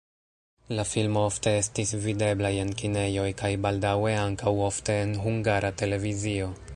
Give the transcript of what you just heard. La filmo ofte estis videblaj en kinejoj kaj baldaŭe ankaŭ ofte en Hungara Televizio.